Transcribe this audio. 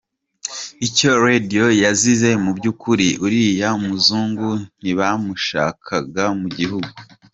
Icyo Radiyo yazize mu by’ukuri, uriya muzungu ntibamushaka mugihugu.